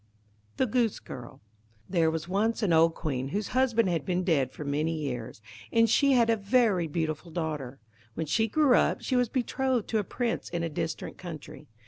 The Goosegirl There was once an old Queen whose husband had been dead for many years, and she had a very beautiful daughter. When she grew up she was betrothed to a Prince in a distant country.